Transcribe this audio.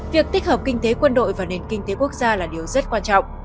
việc tích hợp kinh tế quân đội và nền kinh tế quốc gia là điều rất quan trọng